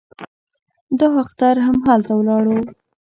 دا اختر هم هلته ولاړو.